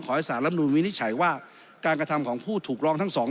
ให้สารรับนูนวินิจฉัยว่าการกระทำของผู้ถูกร้องทั้งสอง